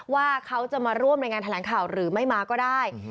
ว่าเขาจะมาร่วมในงานแถลงข่าวหรือไม่มาก็ได้